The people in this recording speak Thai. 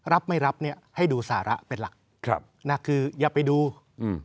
รับไม่รับเนี้ยให้ดูสาระเป็นหลักครับนะคืออย่าไปดูอืม